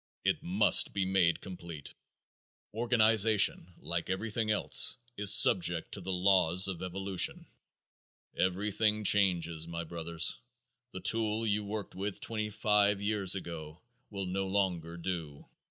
It must be made complete. Organization, like everything else, is subject to the laws of evolution. Everything changes, my brothers. The tool you worked with twenty five years ago will no longer do.